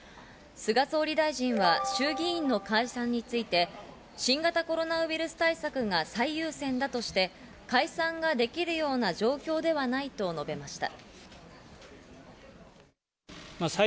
菅総理大臣は衆議院の解散について、新型コロナウイルス対策が最優先だとして、解散ができるような状況ではないと述べました。